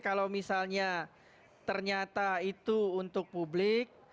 kalau misalnya ternyata itu untuk publik